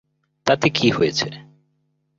তাতে কী হয়েছে?